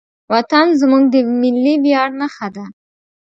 وطن زموږ د ملي ویاړ نښه ده.